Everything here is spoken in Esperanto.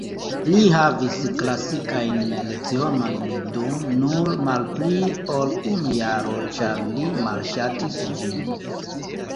Li havis klasikajn lecionojn dum nur malpli ol unu jaro ĉar li malŝatis ĝin.